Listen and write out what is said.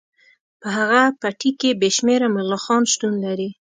په هغه پټي کې بې شمیره ملخان شتون لري